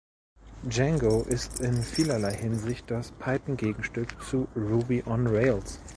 Django ist in vielerlei Hinsicht das Python-Gegenstück zu Ruby on Rails.